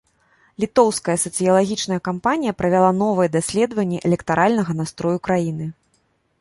Літоўская сацыялагічная кампанія правяла новыя даследаванні электаральнага настрою краіны.